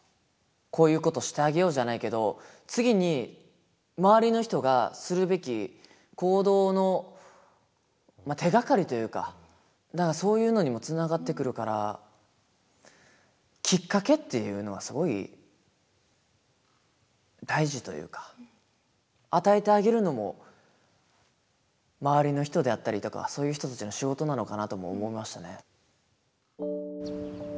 こういうことしてあげようじゃないけど次に周りの人がするべき行動の手がかりというかそういうのにもつながってくるからきっかけっていうのはすごい大事というか与えてあげるのも周りの人であったりとかそういう人たちの仕事なのかなとも思いましたね。